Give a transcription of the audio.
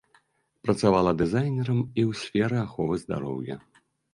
Працавала дызайнерам і ў сферы аховы здароўя.